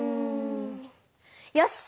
よし！